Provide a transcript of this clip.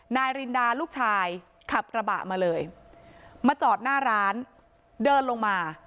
นายรินดาลูกชายขับกระบะมาเลยมาจอดหน้าร้านเดินลงมา